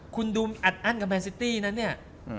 คุณดูมันอัดอั้นกับแมนซิตี้นะเนี่ย